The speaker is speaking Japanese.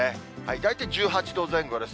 大体１８度前後です。